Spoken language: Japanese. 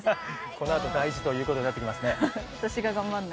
このあと大事ということになってきますね。